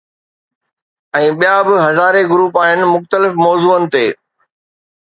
۽ ٻيا به هزارين گروپ آهن مختلف موضوعن تي.